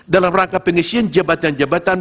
dalam rangka pengisian jabatan jabatan